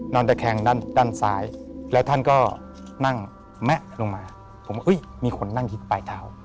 ตะแคงด้านซ้ายแล้วท่านก็นั่งแมะลงมาผมว่ามีคนนั่งยึดปลายเท้า